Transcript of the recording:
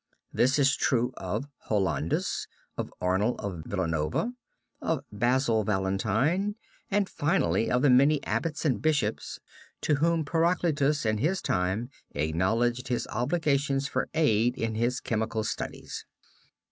This is true of Hollandus, of Arnold of Villanova, of Basil Valentine, and finally of the many abbots and bishops to whom Paracelsus in his time acknowledged his obligations for aid in his chemical studies.